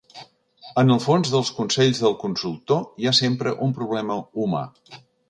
En el fons dels consells del consultor, hi ha sempre un problema humà.